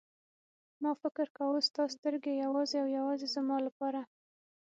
ما فکر کاوه ستا سترګې یوازې او یوازې زما لپاره.